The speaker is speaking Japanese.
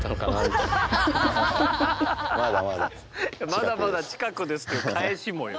「まだまだ近くです」っていう返しもよ。